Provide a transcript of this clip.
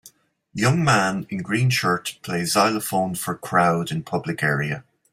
Young man in green shirt play xylophone for crowd in public area